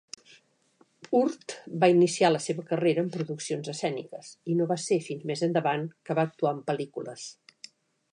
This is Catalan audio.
Hurt va iniciar la seva carrera en produccions escèniques i no va ser fins més endavant que va actuar en pel·lícules.